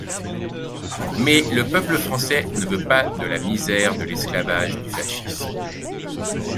Mais le peuple français ne veut pas de la misère de l’esclavage du fascisme.